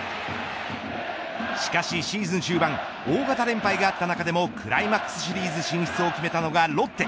しかしシーズン終盤大型連敗があった中でもクライマックスシリーズ進出を決めたのがロッテ。